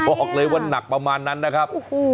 บอกเลยว่าหนักประมาณนั้นนะครับ